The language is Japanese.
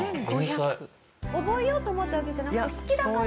覚えようと思ったわけじゃなくて好きだから？